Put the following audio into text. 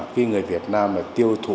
cái người việt nam tiêu thụ